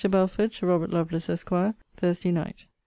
BELFORD, TO ROBERT LOVELACE, ESQ. THURSDAY NIGHT.